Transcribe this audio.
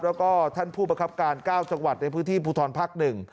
แล้วก็ท่านผู้ประคับการ๙จังหวัดในพื้นที่ภูทรภักดิ์๑